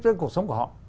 với cuộc sống của họ